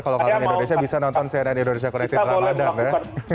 kalau kangen indonesia bisa nonton cnn indonesia connected ramadhan ya